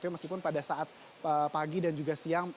meskipun pada saat pagi dan juga siang